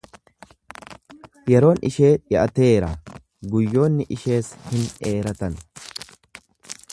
Yeroon ishee dhi’ateera, guyyoonni ishees hin dheeratan.